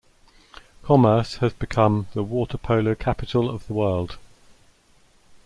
Commerce has become the water polo capital of the world.